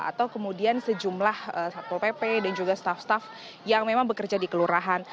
atau kemudian sejumlah satpol pp dan juga staff staff yang memang bekerja di kelurahan